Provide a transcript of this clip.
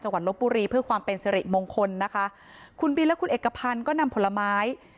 วัดลบบุรีเพื่อความเป็นสิริมงคลนะคะคุณบินและคุณเอกพันธ์ก็นำผลไม้